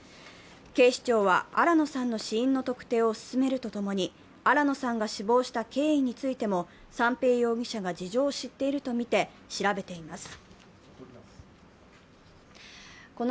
警視庁は新野さんの死因の特定を進めると共に、新野さんが死亡した経緯についても三瓶容疑者が事情をしているとみて調べています。